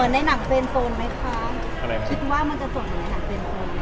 มันจะจบเหมือนในหนังเฟรนโซนไหมคะ